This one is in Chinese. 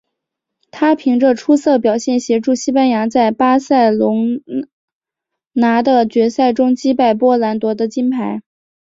他凭着出色表现协助西班牙在巴塞隆拿的决赛中击败波兰夺得金牌。